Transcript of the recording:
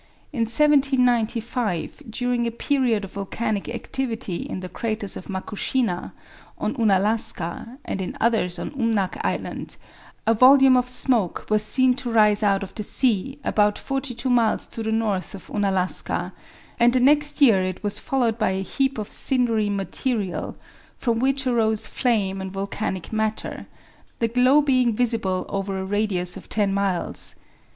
In 1795, during a period of volcanic activity in the craters of Makushina, on Unalaska, and in others on Umnak Island, a volume of smoke was seen to rise out of the sea about 42 miles to the north of Unalaska, and the next year it was followed by a heap of cindery material, from which arose flame and volcanic matter, the glow being visible over a radius of ten miles.